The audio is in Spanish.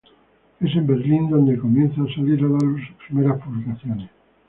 Es en Berlín donde comienzan a salir a la luz sus primeras publicaciones.